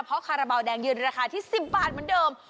เพราะคาราบาลแดงยืนราคาที่๑๐บาทเหมือนเดิม